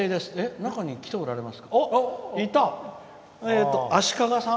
中に来ておられます？